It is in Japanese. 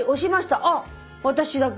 ああ私だけ。